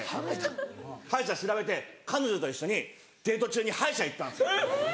歯医者調べて彼女と一緒にデート中に歯医者行ったんですよ。